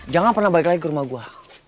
jangan pernah balik lagi ke rumah gue